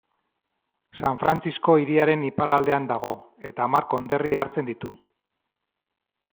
San Frantzisko hiriaren iparraldean dago, eta hamar konderri hartzen ditu.